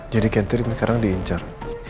jadi catherine sekarang diincar